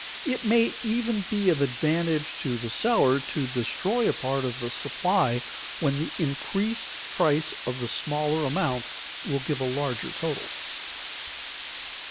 It may even be of advantage to the seller to destroy a part of the supply, when the increased price of the smaller amount will give a larger total.